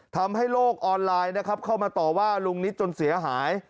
ทำให้โลกออนไลน์นะครับเข้ามาต่อว่าลุงนิดจนเสียหาย